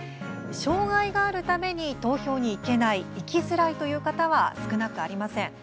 障害があるために投票に行けない行きづらいという方は少なくありません。